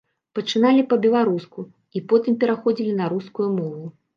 Пачыналі па-беларуску і потым пераходзілі на рускую мову.